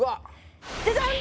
ジャジャン！